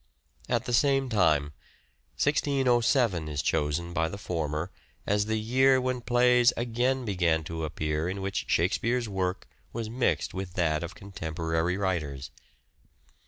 At the same time, 1607 is chosen by the former as the year when plays again began to appear in which Shakespeare's work was mixed with that of contemporary writers.